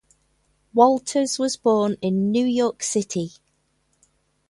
Walters was born in New York City.